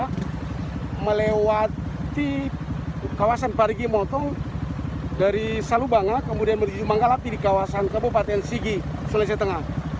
kami melewati kawasan parimotong dari salubangala kemudian menuju manggalapi di kawasan kabupaten sigi sulawesi tengah